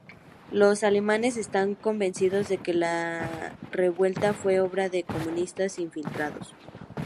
Los alemanes estaban convencidos de que la revuelta fue obra de "comunistas infiltrados".